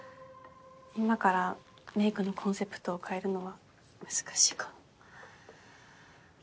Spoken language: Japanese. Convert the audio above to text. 今からメイクのコンセプトを変えるのは難しいかも。